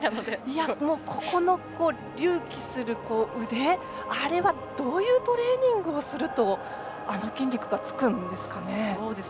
隆起する腕、あれはどういうトレーニングをするとあの筋肉がつくんですか。